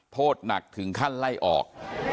โทษหนักถึงขั้นไล่ออก